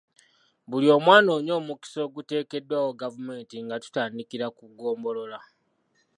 Buli omu anoonye omukisa oguteekeddwawo gavumenti nga tutandikira ku ggombolola.